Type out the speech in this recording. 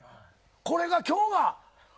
これが今日は。